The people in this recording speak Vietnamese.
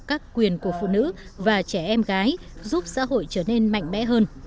các quyền của phụ nữ và trẻ em gái giúp xã hội trở nên mạnh mẽ hơn